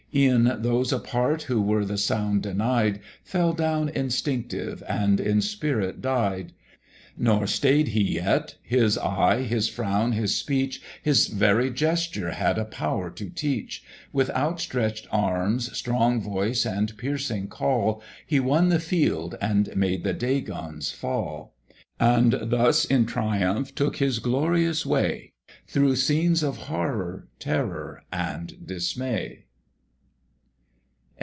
E'en those apart who were the sound denied, Fell down instinctive, and in spirit died. Nor stay'd he yet his eye, his frown, his speech, His very gesture, had a power to teach: With outstretch'd arms, strong voice, and piercing call, He won the field, and made the Dagons fall; And thus in triumph took his glorious way, Through scenes of horror, terror, and dismay."